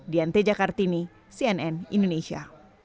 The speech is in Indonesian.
diante jakartini cnn indonesia